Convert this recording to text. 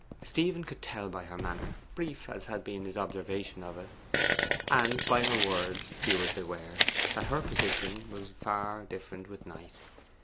Stephen could tell by her manner, brief as had been his observation of it, and by her words, few as they were, that her position was far different with Knight.